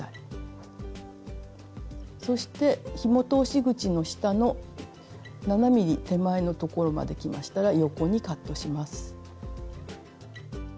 そしてひも通し口の下の７ｍｍ手前の所まできましたら横にカットします。